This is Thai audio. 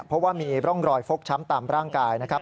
เพราะว่ามีร่องรอยฟกช้ำตามร่างกายนะครับ